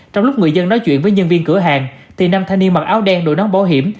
trong lúc người dân nói chuyện với nhân viên cửa hàng thì nam thanh niên mặc áo đen đồ nón bảo hiểm